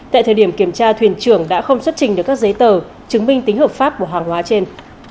tại thời điểm kiểm tra thuyền trưởng đã không xuất trình được các giấy tờ chứng minh tính hợp pháp của hàng hóa trên